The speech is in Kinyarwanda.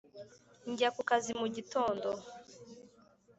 njya ku kazi mu gitondo